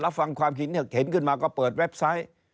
รับฟังความคิดเห็นขึ้นมาก็เปิดเว็บไซต์